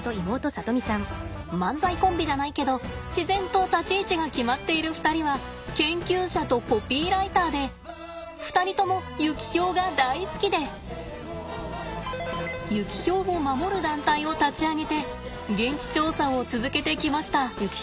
漫才コンビじゃないけど自然と立ち位置が決まっている２人は研究者とコピーライターで２人ともユキヒョウが大好きでユキヒョウを守る団体を立ち上げて現地調査を続けてきました。